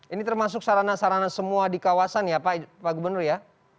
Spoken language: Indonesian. ini termasuk sarana sarana semua di kawasan ya pak gubernur ya